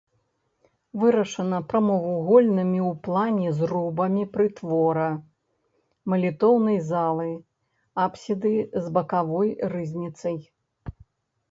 Вырашана прамавугольнымі ў плане зрубамі прытвора, малітоўнай залы, апсіды з бакавой рызніцай.